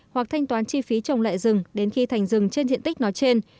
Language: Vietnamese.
hoặc thanh toán chi phí trồng lại rừng đến khi thành rừng trên diện tích nói trên